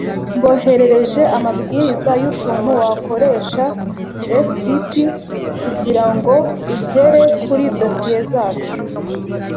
Mboherereje amabwiriza yukuntu wakoresha FTP kugirango ugere kuri dosiye zacu.